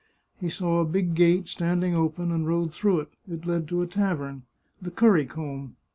He saw a big gate standing open and rode through it ; it led to a tavern, The Currycomb.